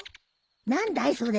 何だいそれ？